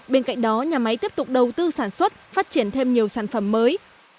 bên cạnh đó nhà máy tiếp tục đầu tư sản xuất phát triển thêm nhiều sản phẩm mới